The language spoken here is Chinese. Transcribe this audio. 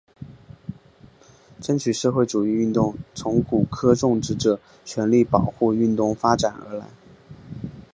争取社会主义运动从古柯种植者权利保护运动发展而来。